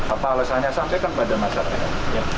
apa alasannya sampaikan kepada masyarakat